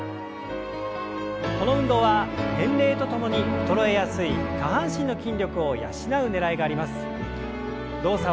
この運動は年齢とともに衰えやすい下半身の筋力を養うねらいがあります。